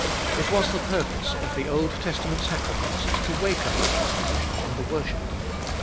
It was the purpose of the Old Testament sacrifices to waken this disposition in the worshipper.